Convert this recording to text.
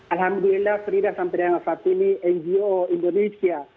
alhamdulillah frida sampai dengan saat ini ngo indonesia